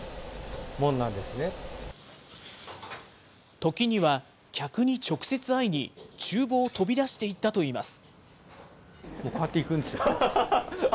時には、客に直接会いに、ちゅう房を飛び出していったといいます。